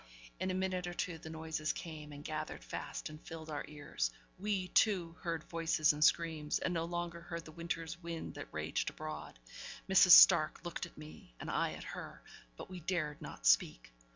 In a minute or two the noises came, and gathered fast, and filled our ears; we, too, heard voices and screams, and no longer heard the winter's wind that raged abroad. Mrs. Stark looked at me, and I at her, but we dared not speak.